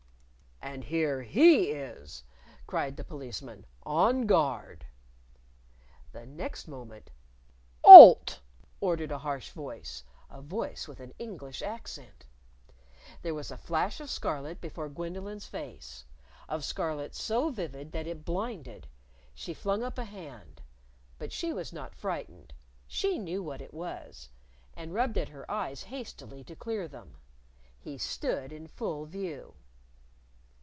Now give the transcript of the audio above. "And here he is!" cried the Policeman. "On guard." The next moment "'Alt!" ordered a harsh voice a voice with an English accent. There was a flash of scarlet before Gwendolyn's face of scarlet so vivid that it blinded. She flung up a hand. But she was not frightened. She knew what it was. And rubbed at her eyes hastily to clear them. He stood in full view.